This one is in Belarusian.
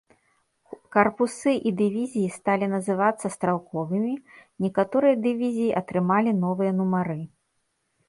Карпусы і дывізіі сталі называцца стралковымі, некаторыя дывізіі атрымалі новыя нумары.